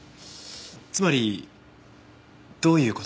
つまりどういう事ですか？